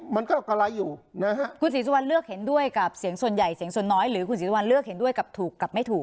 มันก็กะไรอยู่นะฮะคุณศรีสุวรรณเลือกเห็นด้วยกับเสียงส่วนใหญ่เสียงส่วนน้อยหรือคุณศรีสุวรรณเลือกเห็นด้วยกับถูกกับไม่ถูก